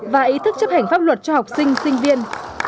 và ý thức chấp hành pháp luật cho học sinh sinh viên